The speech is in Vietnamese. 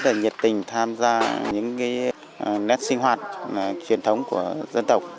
họ rất là nhiệt tình tham gia những cái nét sinh hoạt truyền thống của dân tộc